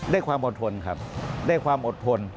ได้ความอดทนครับได้ความอดทน